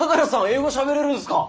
英語しゃべれるんすか？